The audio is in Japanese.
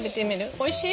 おいしい？